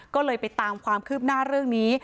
ก็เลยไปตามความคืบหน้าเรื่องนี้